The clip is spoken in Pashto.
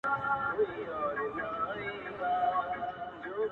اوس به څنګه دا بلا کړو د درملو تر زور لاندي-